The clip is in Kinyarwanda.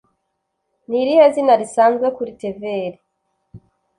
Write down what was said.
Ni irihe zina risanzwe kuri tvr?